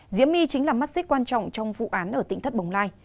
diễm my chính là mắt xích quan trọng trong vụ án ở tỉnh thất bồng lai